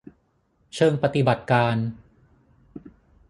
เชิงปฏิบัติการ